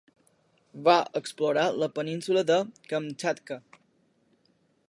Va explorar la península de Kamtxatka.